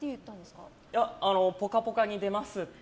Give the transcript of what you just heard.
「ぽかぽか」に出ますって。